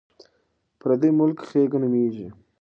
پردی ملک خیګ نومېږي.